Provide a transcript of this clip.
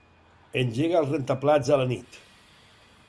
Engega el rentaplats a la nit.